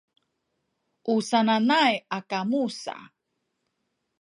u sananay a kamu sa